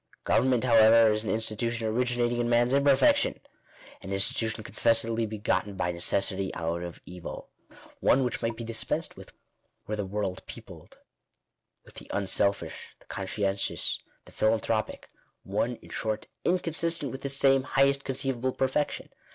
Govern ment, however, is an institution originating in man's imperfec tion; an institution confessedly begotten by necessity out of evil ; one which might be dispensed with were the world peo pled with the unselfish, the conscientious, the philanthropic ; one, in short, inconsistent with this same " highest conceivable Digitized by VjOOQIC 16/ INTRODUCTION. | perfection."